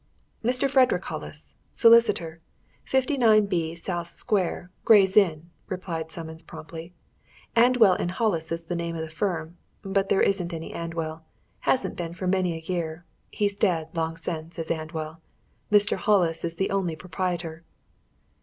"Mr. Frederick Hollis, solicitor, 59B South Square, Gray's Inn," replied Simmons promptly. "Andwell & Hollis is the name of the firm but there isn't any Andwell hasn't been for many a year he's dead, long since, is Andwell. Mr. Hollis is the only proprietor."